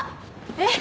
えっ？